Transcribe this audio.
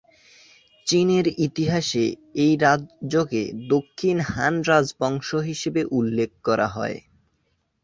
চীনের ইতিহাসে এই রাজ্যকে দক্ষিণ হান রাজবংশ হিসেবে উল্লেখ করা হয়।